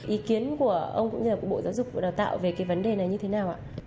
ý kiến của ông cũng như là của bộ giáo dục và đào tạo về cái vấn đề này như thế nào ạ